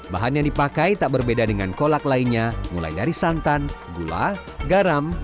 bahan yang dipakai tak berbeda dengan kolak lainnya mulai dari santan gula garam